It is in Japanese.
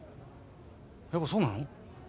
やっぱそうなの？